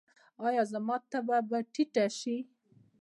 ایا زما تبه به ټیټه شي؟